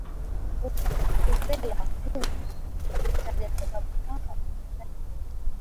uzela huumm wakitaja sababu kwamba inaleta kidogo